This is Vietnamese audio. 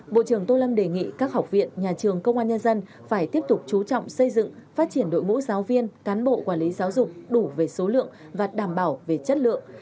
bộ trưởng tô lâm đề nghị các học viện nhà trường công an nhân dân phải tiếp tục chú trọng xây dựng phát triển đội ngũ giáo viên cán bộ quản lý giáo dục đủ về số lượng và đảm bảo về chất lượng